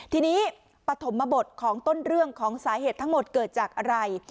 ทีนี้ปฐมบทของต้นเรื่องของสาเหตุทั้งหมดเกิดจากอะไร